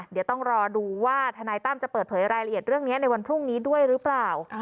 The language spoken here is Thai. เดี๋ยวต้องรอดูว่าทนายตั้มจะเปิดเผยรายละเอียดเรื่องนี้ในวันพรุ่งนี้ด้วยหรือเปล่า